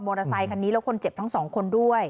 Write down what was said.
อเตอร์ไซคันนี้แล้วคนเจ็บทั้งสองคนด้วย